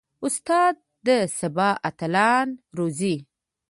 استاد د سبا اتلان روزي.